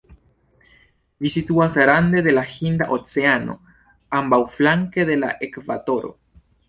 Ĝi situas rande de la Hinda Oceano ambaŭflanke de la ekvatoro.